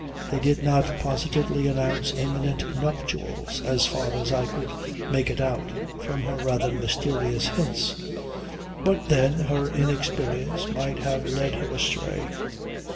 They did not positively announce imminent nuptials as far as I could make it out from her rather mysterious hints. But then her inexperience might have led her astray.